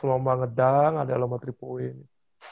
lomba ngedang ada lomba triple o ini